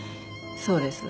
そうです。